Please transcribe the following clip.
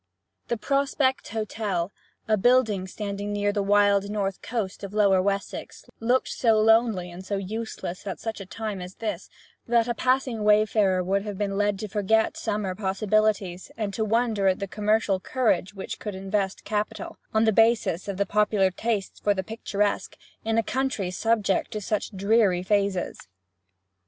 The Prospect Hotel, a building standing near the wild north coast of Lower Wessex, looked so lonely and so useless at such a time as this that a passing wayfarer would have been led to forget summer possibilities, and to wonder at the commercial courage which could invest capital, on the basis of the popular taste for the picturesque, in a country subject to such dreary phases.